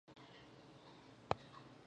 ماري کوري د راډیواکټیف وړانګو شدت اندازه کړ.